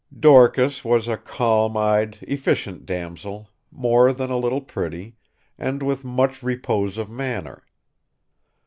Dorcas was a calm eyed, efficient damsel, more than a little pretty, and with much repose of manner.